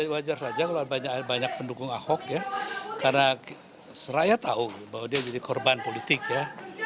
wajar saja kalau banyak pendukung ahok ya karena seraya tahu bahwa dia jadi korban politik ya